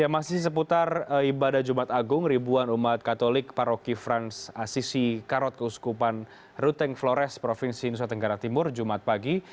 masih seputar ibadah jumat agung ribuan umat katolik paroki frans asisisi karot keuskupan ruteng flores provinsi nusa tenggara timur jumat pagi